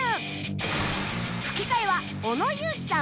吹き替えは小野友樹さん